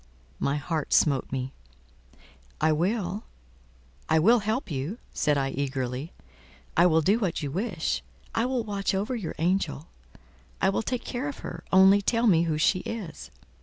My heart smote me. "I will—I will help you," said I eagerly. "I will do what you wish. I will watch over your angel; I will take care of her, only tell me who she is."